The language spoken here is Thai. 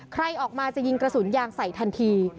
ใครออกมาจะยิงกระสุนยางใส่ทันที